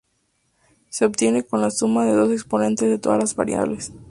Se obtiene con la suma de los exponentes de todas las variables.